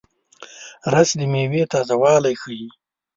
رس د میوې تازهوالی ښيي